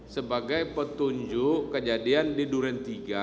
sebagai petunjuk kejadian di duren tiga